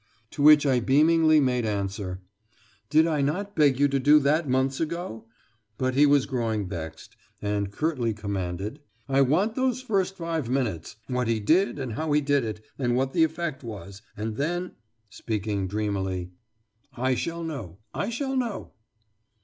To which I beamingly made answer: "Did I not beg you to do that months ago?" But he was growing vexed, and curtly commanded: "I want those first five minutes what he did, and how he did it, and what the effect was, and then" speaking dreamily "I shall know I shall know."